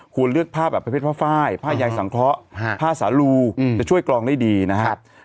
ควรเลือกผ้าแบบแผ่นแพร่ฟ้ายผ้ายายสังเคราะห์ผ้าสรุจะช่วยกลองได้ดีนะฮะ